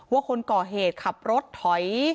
ว่าคนก่อเหตุขับรถถอย